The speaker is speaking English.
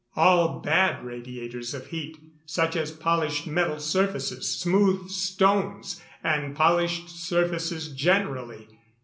_ All bad radiators of heat, such as polished metal surfaces, smooth stones, and polished surfaces generally.